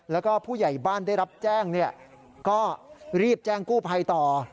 แล้วก็ผู้ใหญ่บ้านได้รับแจ้งก็รีบแจ้งกู้ภัยต่อ